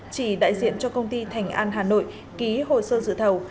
chỉ đại diện cho công ty thành an hà nội ký hồ sơ dự thầu